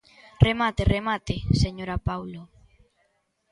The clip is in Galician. Remate, remate, señora Paulo.